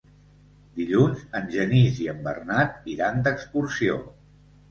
Dilluns en Genís i en Bernat iran d'excursió.